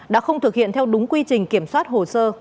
đã không thực hiện theo đúng quy trình kiểm soát hồ sơ